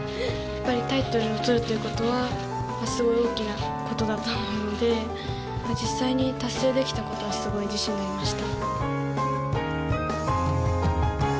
タイトルを取るということはすごい大きなことだと思うので実際に達成できたことはすごい自信になりました。